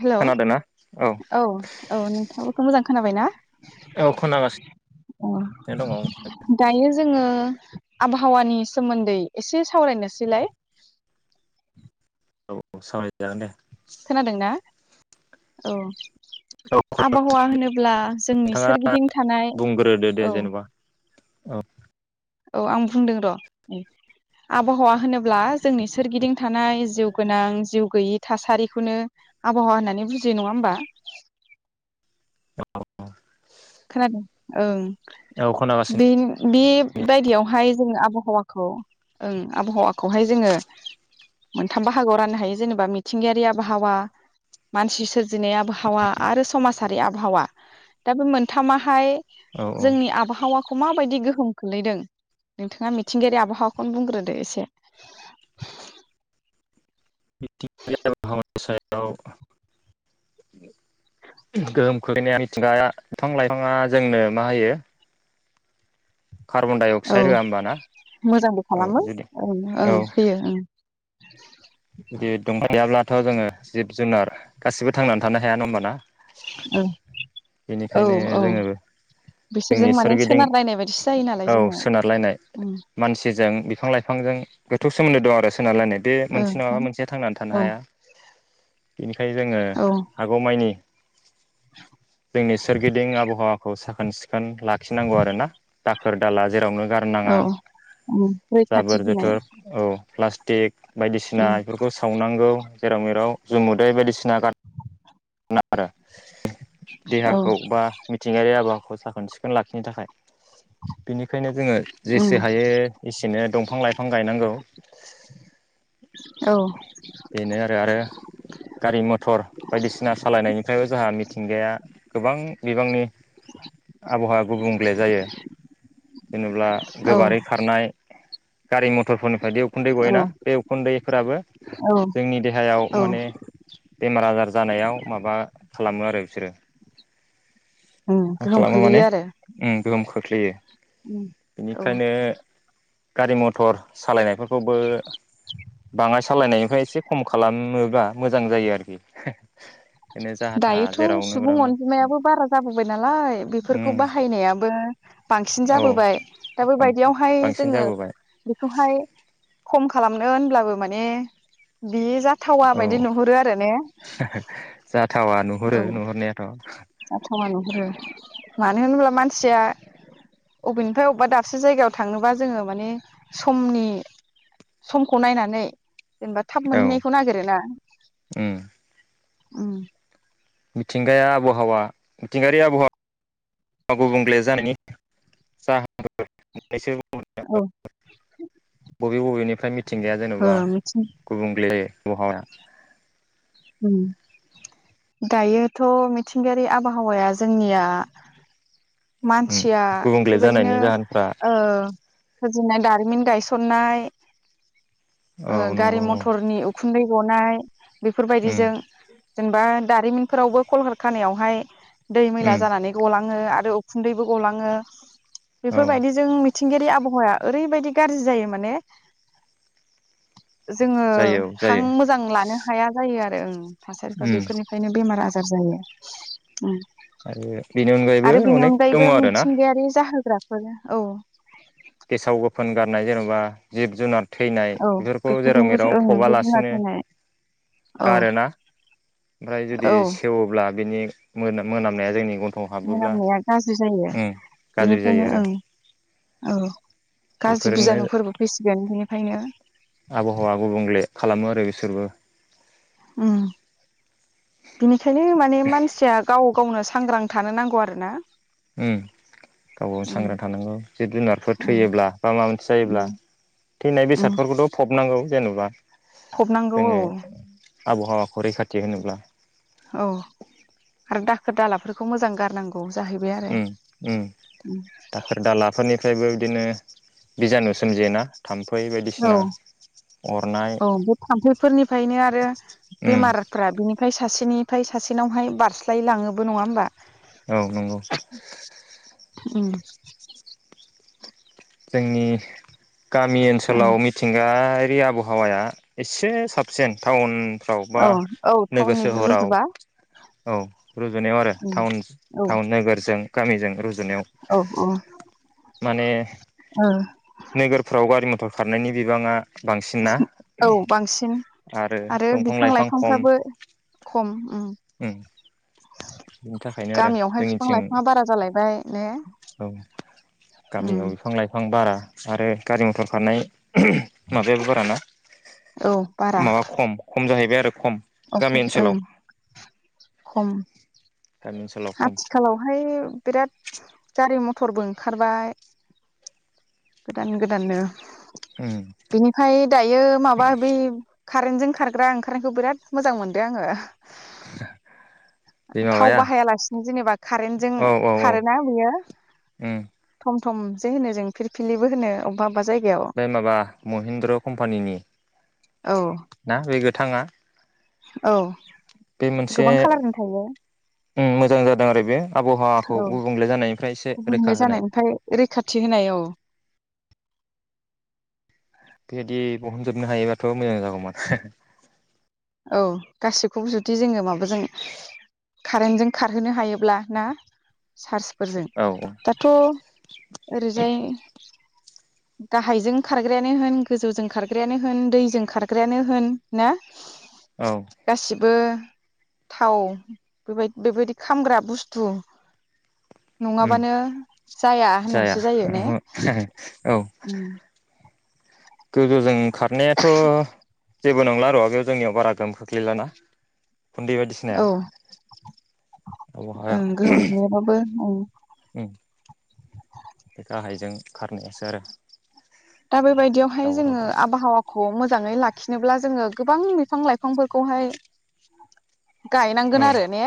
Hello औ औ नोंथांङाबो खो मोजां खोनाबाय ना? औ अ खोनागासिनो दङ। दायो जोङो आबहावानि सोमोन्दै एसे सावरायनोसैलाय। औ औ सावराय जागोन दे। खोनादोंना? औ। औ आबहावा होनोब्ला जोंनि नोंथाङा सोरगिदिं थानाय बुंग्रोदो दे औ। जेनेबा औ औ आं बुंदों र'आबहावा होनोब्ला जोंनि सोरगिदिं थानाय जिउ। गोनां जिउ गैयि थासारिखौनो आबहावा होननानै बुजियो नङा होमबा। खोनादों ओं। औ खोनागासिनो। बे बायदियावहाय जोङो आबहावाखौ ओं आबहावाखौहाय जोङो मोनथाम बाहागोआव राननो हायो जेनेबा मिथिंगायारि आबहावा मानसि सोरजिनाय आबहावा आरो समाजारि आबहावा दा बे मोन थामाहाय। औ औ जोंनि आबहावा खौ माबायदि गोहोम खोलैदों नोंथाङा मिथिंगायारि आबहावाखौनो बुंग्रोदो एसे। मिथिंगा [unintelligible] सायाव गोहोम खोख्लैनाया मिथिंगाया बिफां लाइफाङा जोंनो मा होयो। कार्बन डाइ औ अक्साइड होआ होमबाना मोजांबो औ खालामो जुदि ओं औ होयो ओं। [inaudible] [unintelligible] [unintelligible] जोङो जिब जुनार गासिबो थांनानै थानो हाया नङा होमबा ना। [unintelligible] औ औ जोङो जोंनि बिसोरजों माने सोरगिदिं सोनारलायनाय बायदिसो जायो औ नालाय जोङो ओं। फांजों गोथौ सोमोनदो दं आरो सोनार लायनाय बे मोनसे ओ नङाबा मोनसेया थांनानै थानो हाया। बेनिखायनो जोङो औ हागौ माइनि। जोंनि सोरगिदिं आबहावाखौ साखोन सिखोन लाखिनांगौ आरोना दाखोर दाला जेरावनो। गारनाङा औ ओं रैखाथि जाबोर होनाय। जोथोर औ प्लास्टिक। बायदिसिना उम इफोरखौ सावनांगौ जेराव मेराव। जुमुदै बायदिसिना गारनाङा [unintelligible] औ देहाखौ बा मिथिंगायारि आबहावाखौ साखोन सिख खोन लाखिनो थाखाय। बिनिखायनो जोङो उम जेसे हायो एसेनो दंफां लाइफां गायनांगौ। औ बेनो आरो आरो गारि मथर बायदिसिना सालायनायनिफ्रायबो जोंहा मिथिंगाया गोबां बिबांनि आबहावा गुबुंग्ले जायो जेनेब्ला औ गोबारै खारनाय गारि मथरफोरनिफ्राय दि उखुन्दै गयो औ ना बे बेफोराबो औ जोंनि देहायाव औ माने बेमार आजार जानायाव माबा खालामो आरो बिसोरो। उम मा गोहोम खालामो माने खोलैयो आरो। उम गोहोम खोख्लैयो। उम औ बेनिखायनो गारि मथर सालायनायफोरखौबो बाङाय सालायनायनिफ्राय एसे खम खालामोबा मोजां जायो आरोखि। बेनो जाहा थाहा दायोथ' जेरावनो सुबुं मेरावनो अनजिमायाबो बारा जाबोबाय नाला लाय उम बेफोरखौ बाहायनायाबो बांसिन औ जाबोबाय दा बेबायदियावहाय बांसिन जोङो जाबोबाय बेखौहाय खम खालामनो होनब्लाबो माने बियो जाथावा औ बायदि नुहुरो आरो ने? थावा नुहरो औ नुहुरनायाथ'। जाथावा नुहुरो मानो होनब्ला मानसिया अबेनिफाय अबबा दाबसे जायगायाव थांनोबा जोङो माने समनि समखौ नायनानै जेनेबा थाब औ मोनहैनायखौ नागेरोना। उम उम मिथिंगाया आबहावा मिथिंगायारि आबहावा [unintelligible] गुबुंले जानायनि जाहोन [unintelligible] औ [unintelligible] बबे बबेनिफ्राय मिथिंगाया ओ जेनेबा मिथिं गुबुंले [unintelligible] उम दायोथ' मिथिंगायारि आबहावाया जोंनिया मानसिया गुबुंले बेबायदिनो जानायनि जाहोनफ्रा ओ फुजिनाय दारिमिन गायसननाय ओ औ नंगौ गारि औ मथरनि उखुन्दै गनाय उम बेफोरबायदिजों जेनेबा दारिमिनफोरावबो कलकार खानायावहाय दै मैला उम जानानै गलाङो आरो उखुन्दैबो गलाङो औ बेफोरबायदि जों मि मिथिंगायारि आबहावाया ओरैबायदि गाज्रि जायो माने जोङो जायो औ हां जायो मोजां लानो हाया जायो आरो ए ओं थासारिफ्रा उम बेफोरनिफ्रायनो बेमार आजार जार जयो ओम आरो बेनि अनगायैबो बेनि अनेक दङ अनगायैबो आरोना मिथिंगायारि जाहोग्रा औ फोन गारनाय जेन'बा जिब जुनार थैनाय औ बेफोरखौ जेराव बेफोरजोंबो मेराव ओं जिब जुनार फबालासिनो थैनाय औ गारोना ओमफ्राय जुदि औ सेवोब्ला बेनि मोन मोनामनाय जोंनि गन्थ मोनामनाया गाज्रि जायो गाज्रि जायो बेनिखायनो आरो ओ औ गाज्रि बेफोरनो बिजानुफोरबो फैसिगोन बिनि ओंखायनो आबहावा गुबुंले खालामो आरो बिसोरबो। उम बिनिखायनो माने मानसिया गाव गावनो सांग्रां थानो नांगौ आरो ना। उम गाव गावनो उम सांग्रां थानांगौ जिब जुनारफोर उम थैयोब्ला बा माबा मोनसे जायोब्ला उम थैनाय उम बेसादफोरखौथ' फब नांगौ जेनेबा फबनांगौ औ। आबहावाखौ रैखाथि होनोब्ला। औ आरो दालाफोरखौ मोजां गारनांगौ। जाहैबाय आरो उम उम दाखोर दालाफोरनिफ्रायबो बिदिनो बिजानु सोमजियो ना थाम्फै औ बायदिसिना अरनाय। ओंखायनो आरो उम बेमारफ्रा बिनिफ्राय सासेनि फ्राय सासेनावहाय बारस्लायलाङोबो नङा होमबा? औ नंगौ। उम जोंनि गामि औ ओनसोलाव मिथिंगा यारि आबहावाया एसे साबसिन टाउन फ्राव बा औ औ नोगोर टाउननि सोहोराव रुजुबा औ रुजुनायाव आरो उम टाउन औ टाउन नोगोरजों गामिजों रुजुनायाव औ माने औ नोगोरफ्राव गारि मथर खारनायनि बिबाङा बांसिन ना औ बांसिन आरो दंफां बिफां लाइफां खम लाइफांफ्राबो खम उम। बिनि थाखायनो आरो गामियावहाय बिफां जोंनिथिं लाइफाङा बारा जालायबाय ने औ उम गामियाव बिफां लाइफां बारा। ओमफ्राय गारि मथर खारनाय माबायाबो बाराना? औ बारा माबा खम खम जाहैबाय आरो खम अ गामि सं उम ओनसोलाव खम। गामि ओनसोलाव खम आथिखालावहाय बिराद गारि मथरबो ओंखारबाय गोदान गोदाननो उम बिनिफ्राय दायो माबा बेै खारेनटजों खारग्रा ओंखारनायखौ बिराद मोजां मोनदों आङो। बे थाव माबाया बाहायालासिनो जेनेबा कारेन्टजों औ औ औ कारेन्टा बेयो उम थम जे होनो जों। फिरफिलिबो होनो अबेबा अबेबा जायगायाव बे माबा महिन्द्र कम्पानिनि औ। ना बे गोथाङा औ बे मोनसे गोबां खालारनि थायो ओम मोजां जादों आरो बे आबहावाखौ औ गुबुंले जानायनिफ्राय एसे गुबुंले रैखा होनाय। जानायनिफ्राय रैखाथि होनाय औ बेबायदि बहनजोबनो हायोबाथ' मोजां जागौमोन। औ गासिखौबो जुदि जोङो माबाजों कारेन्टजों खारहोनो हायोब्ला ना? चार्सफोरजों औ औ दाथ' ओरैजाय गाहायजों खारग्रायानो होन गोजौजों खारग्रायानो होन दैजों खारग्रायानो होन ना? औ गासिबो थाव बेबाय-बेबायदि खामग्रा बुस्थु उम नङाबानो जाया होननायसो जायो ने? औ गोजौजों खारनायाथ' जेबो नंला र' बेयाव जोंनियाव बारा गोहोम खोख्लैलाना गुन्दै बायदिसिनाया औ ओं गोहोम खोलोयाबाबो औ। औ। बे गाहायजों खारनायासो आरो। दा बेबायदियावहाय दावराव जोङो दावसि आबहावाखौ मोजाङै लाखिनोब्ला जोङो गोबां बिफां लाइफांफोरखौहाय। औ गायनांगोन आरो ने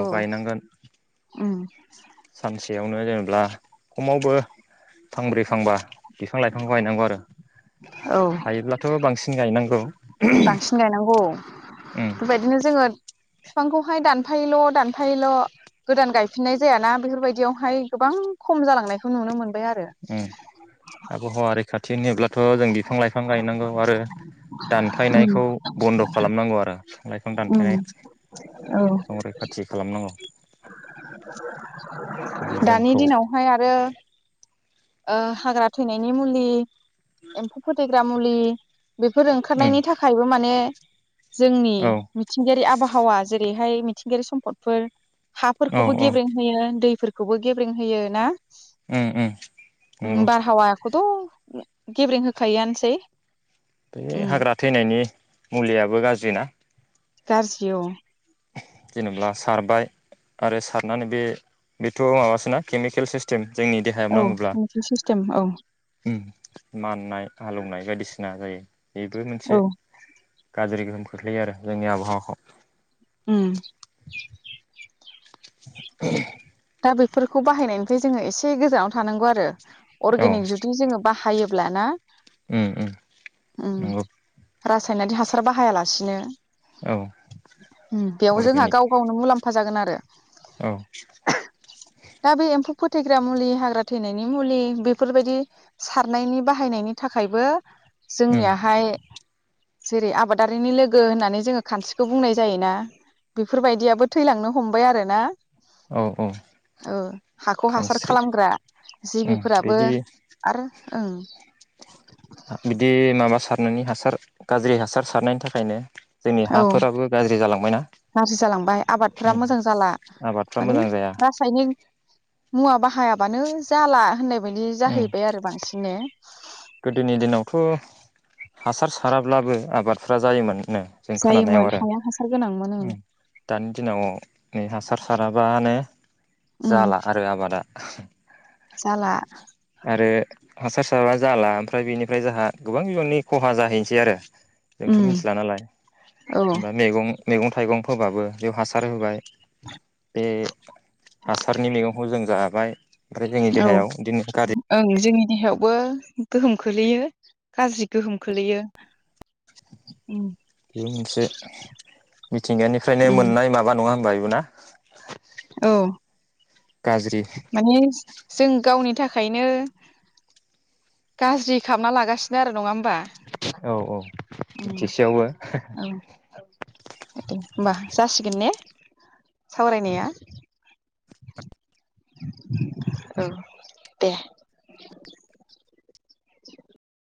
औ। उम। सानसेयावनो जेन'ब्ला। खमावबो फांब्रै फांबा। बिफां लाइफांखौ गायनांगौ आरो। औ हायोब्लाथ' बांसिन गायनांगौ। बांसिन गायनांगौ उम बेबायदिनो जोङो बिफांखौहाय दानफायोल' दानफायोल' गोदान गायफिननाय जायाना । बेफोरबायदियावहाय गोबां खम जालांनायखौ नुनो मोन बाय आरो। खाथिनिब्लाथ' जों बिफां लाइफां गायनांगौ आरो उम दानफायनायखौ बन्द' खालामनांगौ आरो। बिफां लाइफां उम दानफायनाय औ संरैखाथि खालामनांगौ। [inaudible] जुदि दानि जोंखौ दिनावहाय आरो ओ हाग्रा थैनायनि मुलि एम्फौ फोथैग्रा जामुलि बेफोर उम ओंखारनायनि थाखायबो माने जोंनि औ मिथिंगायारि आबहावा जेरै हाय मिथिंगायारि सम्पदफोर औ हाफोरखौबो औ गेब्रें होयो दैफोरखौ खौबो गेब्रें होयो ना? ओम ओम। ओम बारहावा खौथ' गेब्रें होखायोआनोसै। बे उम हाग्रा थैनायनि मुलियाबो गाज्रि ना? गाज्रि औ। जेनेबा सारबाय आरो सारनानै बे बेथ' माबासोना केमिकेल सिस्टेम म जोंनि देहायाव औ नांङोब्ला इउटुब सिस्टेम औ ओ माननाय हालौवनाय बायदिसिना जायो‌। बेबो औ मोनसे गाज्रि गोहोम खोख्लैयो आरो जोंनि आबहावाखौ। ओम [inaudible] दा बेफोरखौ बाहायनायनिफ्राय जोङो एसे गोजानाव थानांगौ आरो। अरगेनिक जुदि जोङो बाहायो। ब्ला ना चम उम उम नंगौ। रासायनारि हासार बाहायालासिनो औ उम बेयाव जोंहा अर्गेनिक गाव गावनो मुलाम्फा जागोन आर रो औ दा बे एम्फौ फोथैग्रा मुलि हाग्रा थैनायनि मुलि बेफोरबायदि सारनायनि बाहायनायनि थाखायबो उम जोंनियाहाय जेरै आबादारिनि लोगो होननानै जोङो खानस्रिखौ बुंनाय जायोना। बेफोरबायदियाबो थैलांनो हमबाय आरोना। औ औ औ हाखौ हासार खानस्रि खालामग्रा उम जिबिफोराबो बिदि आरो ओं नोंनि हासार गाज्रि हासार सारनायनि थाखायनो जोंनि औ हाफोराबो गाज्रि जालांबायना गाज्रि जालांबाय आबादफोरा मोजां जाला आबादफ्रा माने मोजां जाया रासायनिक मुवा बाहायाबानो जाला होननाय बायदि जाहैबाय आरो बांसिननो गोदोनि दिनावथ' हासार साराब्लाबो आबादफ्रा जायोमोन। नो जों खोनानायाव जायोमोन आरो हाया हासार गोनांमोन ओं उम दानि दिनावनि हासार साराबानो उम जाला आरो आबादा जाला आरो हासार साराबा जाला ओमफ्राय बेनिफ्राय जोंहा गोबां बिबाननि खहा जाहैनोसै आरो। जोंथ' उम मिथिला नालाय औ दा मेगं मैगं थाइगं फोबाबो बेयाव हासार होबाय। [inaudible] बे हासारनि मैगंखौ जों जाबाय। ओमफ्राय जोंनि औ देहायाव दिनो [unintelligible] ओं जोंनि देहायावबो गोहोम खोलैयो गाज्रि गोहोम खोलैयो। उम बे मोनसे मिथिंगानिफ्रायनो उम मोननाय माबा नङा होनबा नंगौना औ गाज्रि माने जों गावनि थाखायनो गाज्रि खालामना लागासिनो आरो नङा होन औ औ बिथिसेयावबो औ दे होमबा जासिगोन ने सावरायनाया औ दे [inaudible]